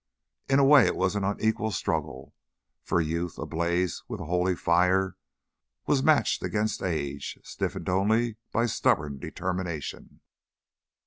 In a way it was an unequal struggle, for youth, ablaze with a holy fire, was matched against age, stiffened only by stubborn determination.